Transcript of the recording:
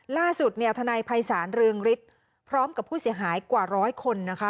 ล่าสุดเนี่ยทนายภัยศาลเรืองฤทธิ์พร้อมกับผู้เสียหายกว่าร้อยคนนะคะ